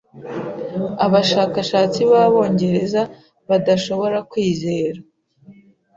abashakashatsi b'Abongereza badashobora kwizera